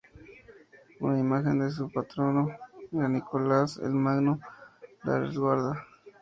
Una imagen de su patrono, San Nicolás el Magno, la resguarda.